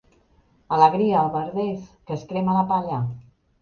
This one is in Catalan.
Alegria, albarders, que es crema la palla.